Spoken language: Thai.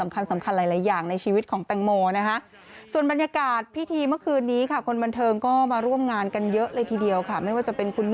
ขอบคุณทุกคน